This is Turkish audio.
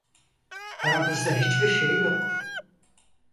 Aramızda hiçbir şey yok.